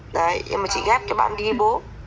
đấy nhưng mà chị ghép cho bạn đi bố